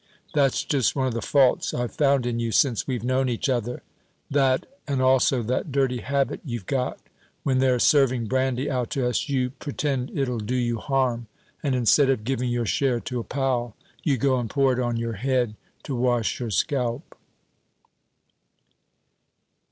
That's just one of the faults I've found in you since we've known each other; that, and also that dirty habit you've got, when they're serving brandy out to us, you pretend it'll do you harm, and instead of giving your share to a pal, you go and pour it on your head to wash your scalp."